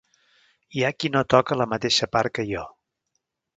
Hi ha qui no toca la mateixa part que jo.